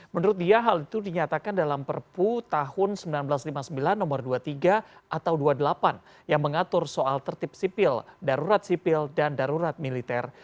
menurut dia hal itu dinyatakan dalam perpu tahun seribu sembilan ratus lima puluh sembilan nomor dua puluh tiga atau dua puluh delapan yang mengatur soal tertib sipil darurat sipil dan darurat militer